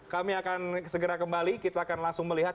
kami akan segera kembali kita akan langsung melihat